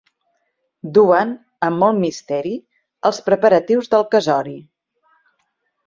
Duen amb molt misteri els preparatius del casori.